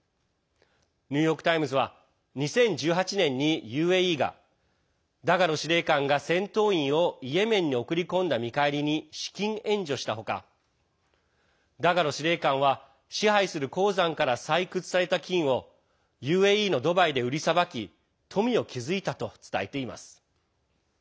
ニューヨーク・タイムズは２０１８年にＵＡＥがダガロ司令官が戦闘員をイエメンに送り込んだ見返りに資金援助した他、ダガロ司令官は支配する鉱山から採掘された金をＵＡＥのドバイで売りさばき富を築いたと伝えています。